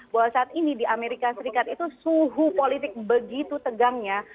di amerika serikat ini di amerika serikat itu suhu politik begitu tegangnya